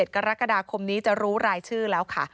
กรกฎาคมนี้จะรู้รายชื่อแล้วค่ะ